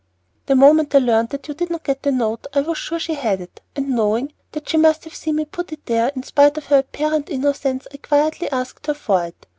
"The moment I learned that you did not get the note I was sure she had it, and, knowing that she must have seen me put it there, in spite of her apparent innocence, I quietly asked her for it.